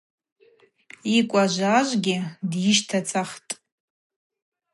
Йыкӏважважвгьи дйыщтацахтӏ.